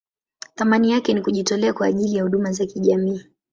Thamani yake ni kujitolea kwa ajili ya huduma za kijamii.